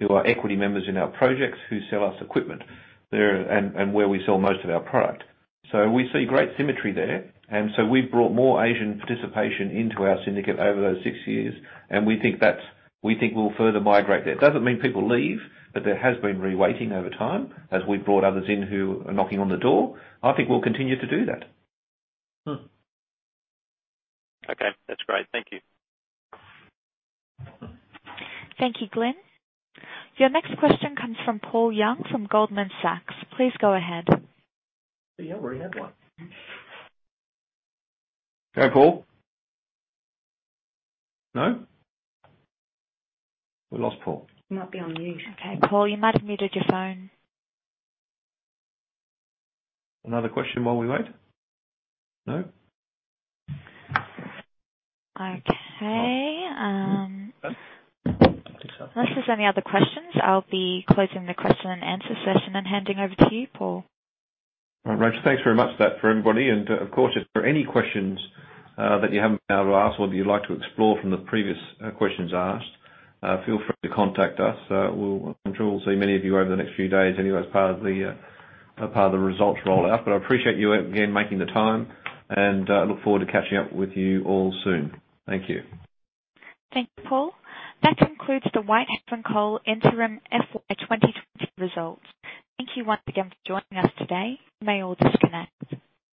who are equity members in our projects, who sell us equipment and where we sell most of our product. So we see great symmetry there, and so we've brought more Asian participation into our syndicate over those six years, and we think we'll further migrate there. It doesn't mean people leave, but there has been reweighting over time as we've brought others in who are knocking on the door. I think we'll continue to do that. Okay, that's great. Thank you. Thank you, Glyn. Your next question comes from Paul Young from Goldman Sachs. Please go ahead. Yeah, we already have one. Hey, Paul? No? We lost Paul. He might be on mute. Okay, Paul, you might have muted your phone. Another question while we wait? No? Okay. I think so. Unless there's any other questions, I'll be closing the question and answer session and handing over to you, Paul. All right, Rachel, thanks very much for that for everybody. And of course, if there are any questions that you haven't been able to ask or that you'd like to explore from the previous questions asked, feel free to contact us. I'm sure we'll see many of you over the next few days, anyway, as part of the results rollout. But I appreciate you again making the time, and I look forward to catching up with you all soon. Thank you. Thank you, Paul. That concludes the Whitehaven Coal Interim FY20 results. Thank you once again for joining us today. You may all disconnect.